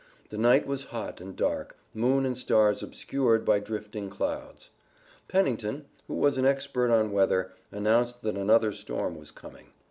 The night was hot and dark, moon and stars obscured by drifting clouds. Pennington, who was an expert on weather, announced that another storm was coming.